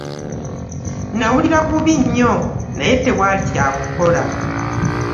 Nnawulira bubi nnyo naye tewali kyakukola.